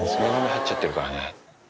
入っちゃってるからね。